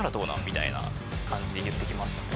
みたいな感じで言ってきましたね。